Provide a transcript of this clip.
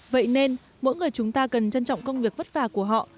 vậy nên mỗi người chúng ta cần trân trọng công việc vất vả của họ